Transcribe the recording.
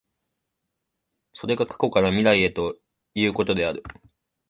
それが過去から未来へということである。